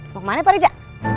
mau kemana pak riza